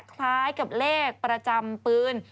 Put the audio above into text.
คล้ายกับเลขประจำปืน